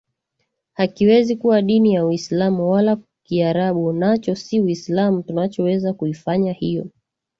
hakiwezi kuwa dini ya uislamu Wala Kiarabu nacho si uislamu Tunachoweza kuifanya hiyo